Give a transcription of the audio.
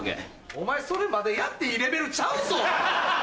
お前それまだやっていいレベルちゃうぞ！